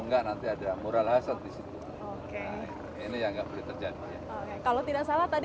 enggak nanti ada mural hasrat disitu oke ini yang nggak boleh terjadi kalau tidak salah tadi